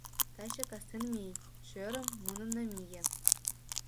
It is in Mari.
Таче кастен мий, шӧрым, муным намие...